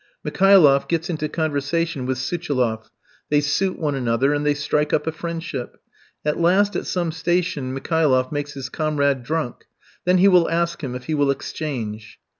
Mikhailoff gets into conversation with Suchiloff, they suit one another, and they strike up a friendship. At last at some station Mikhailoff makes his comrade drunk, then he will ask him if he will "exchange."